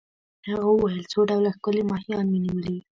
هغه وویل: څو ډوله ښکلي ماهیان مي نیولي.